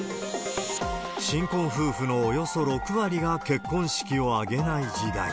新婚夫婦のおよそ６割が結婚式を挙げない時代。